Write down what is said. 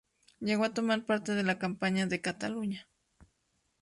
Llegó a tomar parte en la campaña de Cataluña.